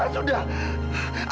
aku sudah ngeri